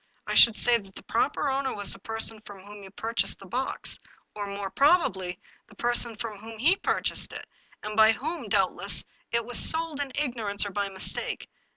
I should say that the proper owner was the person from whom you pur chased the box, or, more probably, the person from whom he purchased it, and by whom, doubtless, it was sold in ignorance, or by mistake.